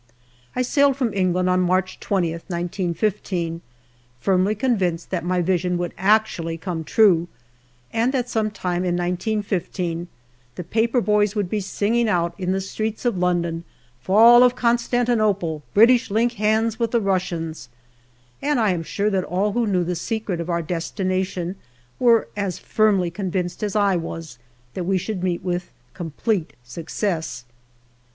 I sailed from England on March 20, 1915, firmly convinced that my vision would actually come true and that some time in 1915 the paper boys would be singing out in the streets of London :" Fall of Constantinople British link hands with the Russians "; and I am sure that all who knew the secret of our destination were as firmly convinced as I was that we should meet with complete success.